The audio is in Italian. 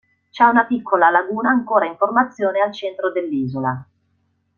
C'è una piccola laguna ancora in formazione al centro dell'isola.